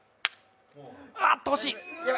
あっと惜しい。